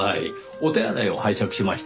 お手洗いを拝借しました。